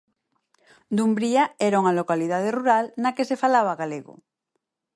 Dumbría era unha localidade rural na que se falaba galego.